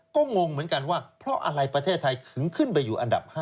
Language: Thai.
ก็งงเหมือนกันว่าเพราะอะไรประเทศไทยถึงขึ้นไปอยู่อันดับ๕